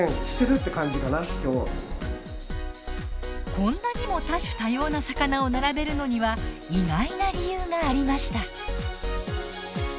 こんなにも多種多様な魚を並べるのには意外な理由がありました。